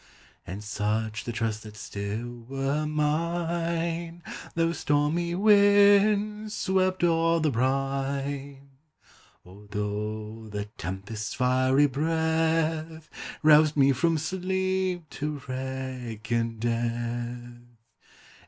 And such the trust that still were mine, Though stormy winds swept o'er the brine, Or though the tempest's fiery breath Roused me from sleep to wreck and death.